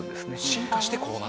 進化してこうなった。